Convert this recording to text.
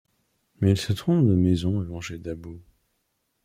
Mais ils se trompent de maison et vont chez Dabboo.